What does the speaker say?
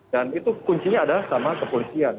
dan itu kuncinya adalah sama kepolisian